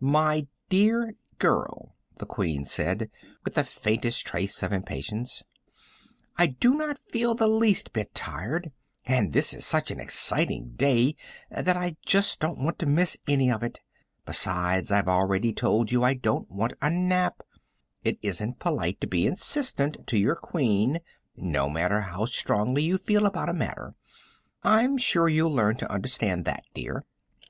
"My dear girl," the Queen said, with the faintest trace of impatience, "I do not feel the least bit tired, and this is such an exciting day that I just don't want to miss any of it. Besides, I've already told you I don't want a nap. It isn't polite to be insistent to your Queen no matter how strongly you feel about a matter. I'm sure you'll learn to understand that, dear."